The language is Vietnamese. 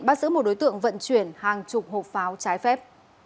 bắt giữ một đối tượng vận chuyển hàng chục hộp pháo trái phép